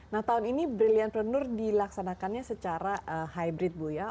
nah tahun ini brilliantpreneur dilaksanakannya secara hybrid bu ya